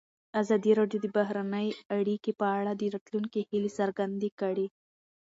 ازادي راډیو د بهرنۍ اړیکې په اړه د راتلونکي هیلې څرګندې کړې.